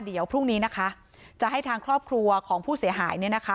เดี๋ยวพรุ่งนี้นะคะจะให้ทางครอบครัวของผู้เสียหายเนี่ยนะคะ